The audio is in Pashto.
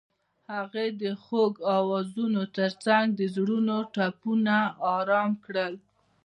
هغې د خوږ اوازونو ترڅنګ د زړونو ټپونه آرام کړل.